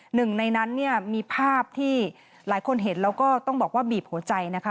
หนึ่งในนั้นเนี่ยมีภาพที่หลายคนเห็นแล้วก็ต้องบอกว่าบีบหัวใจนะคะ